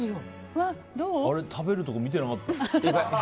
あれ、食べるところ見てなかった。